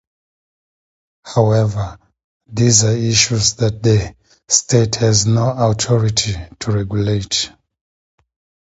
However, these are issues that the state has no authority to regulate.